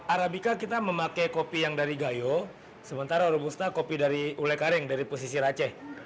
arabica kita memakai kopi yang dari gayo sementara robusta kopi dari ulai kareng dari pesisir aceh